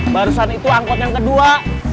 barusan itu angkot yang kedua